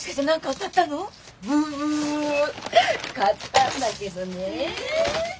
買ったんだけどね。